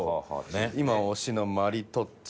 今推しのマリトッツォ